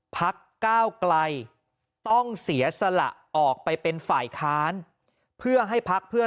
พักก้าวไกลต้องเสียสละออกไปเป็นฝ่ายค้านเพื่อให้พักเพื่อ